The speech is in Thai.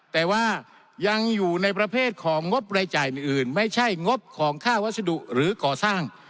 แต่ว่ายังอยู่ในประเภทของงบรายจ่ายอื่นไม่ใช่งบของค่าวัสดุหรือก่อสร้าง